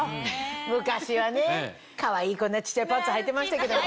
昔はねかわいいこんな小っちゃいパンツはいてましたけど。